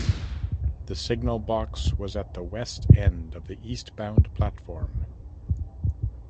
The signal box was at the west end of the eastbound platform.